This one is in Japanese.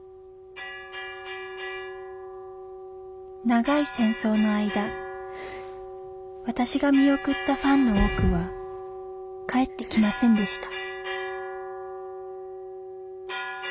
長い戦争の間私が見送ったファンの多くは帰ってきませんでした